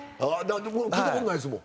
聞いたことないですもん。